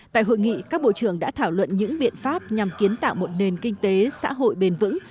tại hội nghị các bộ trưởng đã thảo luận những biện pháp nhằm kiến tạo một nền kinh tế xã hội bền vững